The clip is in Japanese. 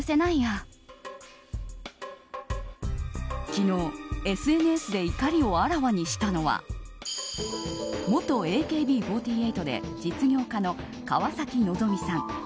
昨日、ＳＮＳで怒りをあらわにしたのは元ＡＫＢ４８で実業家の川崎希さん。